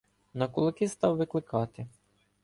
На кулаки став викликати